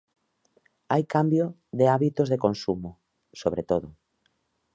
Hai cambio de hábitos de consumo, sobre todo.